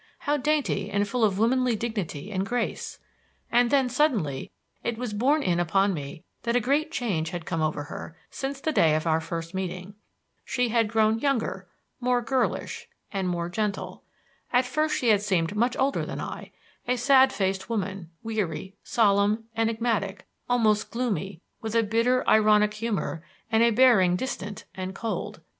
How dainty and full of womanly dignity and grace! And then suddenly it was borne in upon me that a great change had come over her since the day of our first meeting. She had grown younger, more girlish, and more gentle. At first she had seemed much older than I; a sad faced woman, weary, solemn, enigmatic, almost gloomy, with a bitter, ironic humor and a bearing distant and cold.